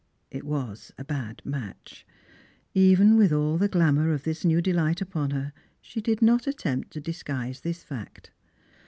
It was a bad match. Even with all the glamour of this new delight upon her, she did not attempt to disguise this fact.